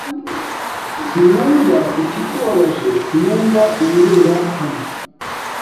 Sinumva ikikubabaje. Sinumva ibibera hano.